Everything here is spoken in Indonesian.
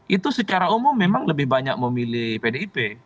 itu secara umum memang lebih banyak memilih pdip